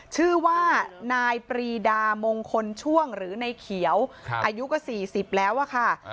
ชื่อว่านายปรีดามงคลช่วงหรือในเขียวอายุก็๔๐แล้วอะค่ะ